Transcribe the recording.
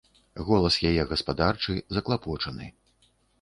Голас яе гаспадарчы, заклапочаны.